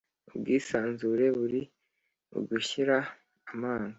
ubwisanzure buri mu gushira amanga.